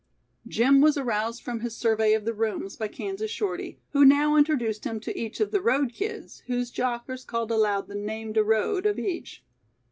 Jim was aroused from his survey of the rooms by Kansas Shorty, who now introduced him to each one of the road kids, whose jockers called aloud the name de road of each.